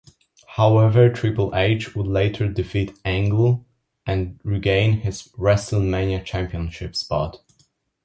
However, Triple H would later defeat Angle and regain his WrestleMania championship spot.